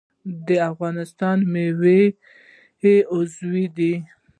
د افغانستان میوه عضوي ده